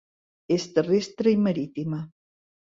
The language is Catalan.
És terrestre i marítima.